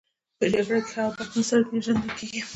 په جګړه کې ښه او بد نه سره پېژندل کیږي